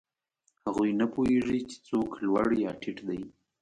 هغوی نه پوهېږي، چې څوک لوړ یا ټیټ دی.